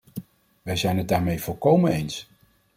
Wij zijn het daarmee volkomen eens.